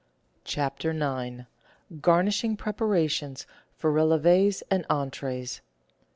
CHAPTER IX Garnishing Preparations for Releves and Entr]&es.